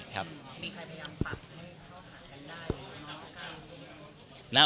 มีใครพยายามปรับให้เข้าหากันได้หรือเหงาหากัน